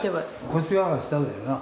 こっち側が下だよな。